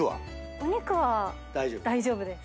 お肉は大丈夫です。